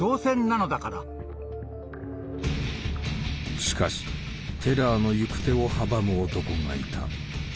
しかしテラーの行く手を阻む男がいた。